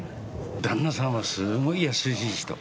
旦那さんは、すごい優しい人。